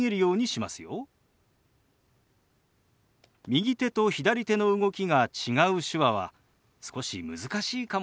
右手と左手の動きが違う手話は少し難しいかもしれませんね。